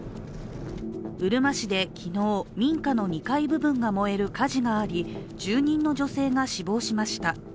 うるま市で昨日、民家の２階部分が燃える火事があり住人の女性が死亡しました。